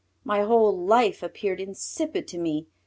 My whole life appeared insipid to me.